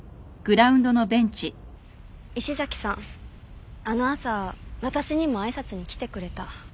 石崎さんあの朝私にも挨拶に来てくれた。